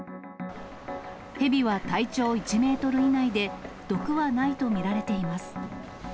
ヘビは体長１メートル以内で、毒はないと見られています。